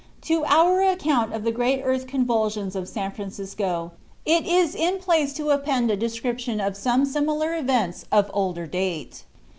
To our account of the great earth convulsions of San Francisco it is in place to append a description of some similar events of older date.